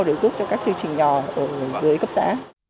để giúp cho các chương trình nhỏ ở dưới cấp xã